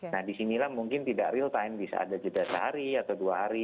nah disinilah mungkin tidak real time bisa ada jeda sehari atau dua hari